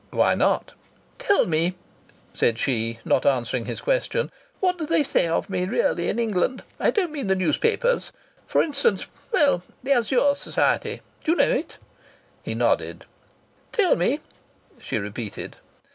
"Why not?" "Tell me," said she, not answering his question, "what do they say of me, really, in England? I don't mean the newspapers. For instance, well the Azure Society. Do you know it?" He nodded. "Tell me," she repeated.